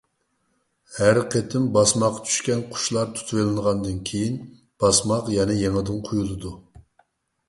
ھەر قېتىم باسماققا چۈشكەن قۇشلار تۇتۇۋېلىنغاندىن كېيىن، باسماق يەنە يېڭىدىن قويۇلىدۇ.